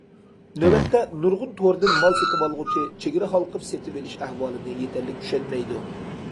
نۆۋەتتە، نۇرغۇن توردىن مال سېتىۋالغۇچى چېگرا ھالقىپ سېتىۋېلىش ئەھۋالىنى يېتەرلىك چۈشەنمەيدۇ.